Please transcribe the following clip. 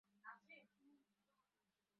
বলিব আর কি?